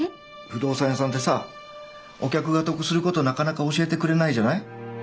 不動産屋さんってさお客が得することなかなか教えてくれないじゃない。